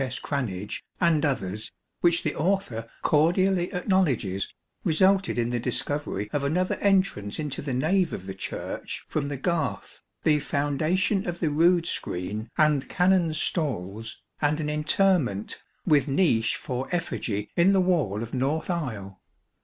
S. Cranage and others, which the author cordially acknowledges, resulted in the discovery of another entrance into the nave of the Church from the Garth, the foundation of the rood screen and Canons' stalls, and an interment, with niche for effigy in the wall of north aisle.